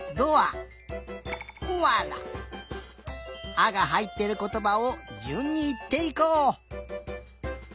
「あ」がはいってることばをじゅんにいっていこう。